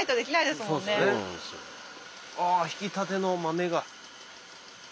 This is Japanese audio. あひきたての豆が。